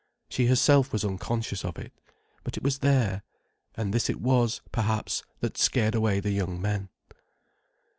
She herself was unconscious of it. But it was there. And this it was, perhaps, that scared away the young men.